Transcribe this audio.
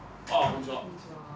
こんにちは。